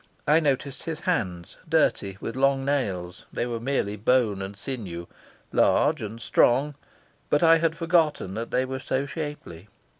I noticed his hands, dirty, with long nails; they were merely bone and sinew, large and strong; but I had forgotten that they were so shapely.